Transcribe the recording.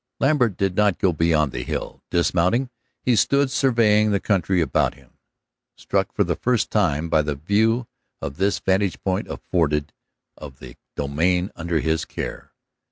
Lambert did not go beyond the hill. Dismounting, he stood surveying the country about him, struck for the first time by the view that this vantage point afforded of the domain under his care.